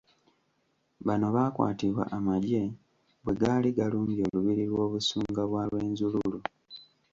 Bano baakwatibwa amagye bwe gaali galumbye olubiri lw'Obusunga bwa Rwenzururu.